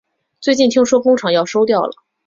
最近听说工厂要收掉了